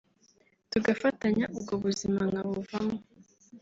tugafatanya ubwo buzima nkabuvamo